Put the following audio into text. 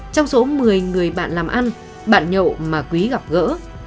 trong số một mươi người bạn làm ăn bạn nhậu mà quý gặp gỡ